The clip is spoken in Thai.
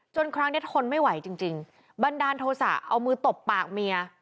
ครั้งนี้ทนไม่ไหวจริงบันดาลโทษะเอามือตบปากเมีย